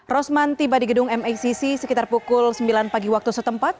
rosman tiba di gedung macc sekitar pukul sembilan pagi waktu setempat